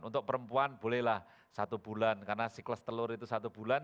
untuk perempuan bolehlah satu bulan karena siklus telur itu satu bulan